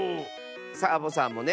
サボさんもね！